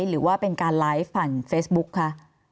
หรือว่าเป็นการไลฟ์ผ่านเฟซบุ๊คคะ